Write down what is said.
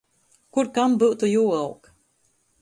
Kur kam byutu juoaug.